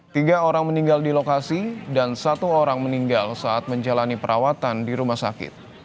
tiga orang meninggal di lokasi dan satu orang meninggal saat menjalani perawatan di rumah sakit